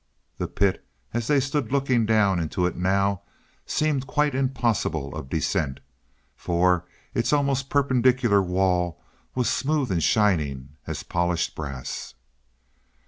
The pit, as they stood looking down into it now, seemed quite impossible of descent, for its almost perpendicular wall was smooth and shining as polished brass.